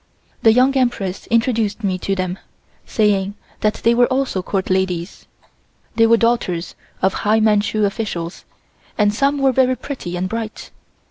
The Young Empress introduced me to them, saying that they were also Court ladies. They were daughters of high Manchu officials and some were very pretty and bright.